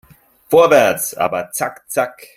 Vorwärts, aber zack zack